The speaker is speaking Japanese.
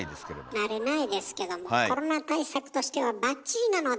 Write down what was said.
慣れないですけどもコロナ対策としてはバッチリなので。